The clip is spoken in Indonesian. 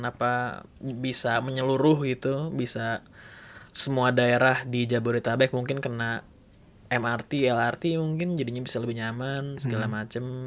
kenapa bisa menyeluruh gitu bisa semua daerah di jabodetabek mungkin kena mrt lrt mungkin jadinya bisa lebih nyaman segala macam